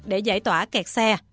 để giải tỏa kẹt xe